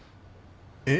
えっ？